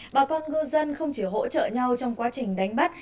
bà con ngư dân không chỉ hỗ trợ nhau trong quá trình đánh bắt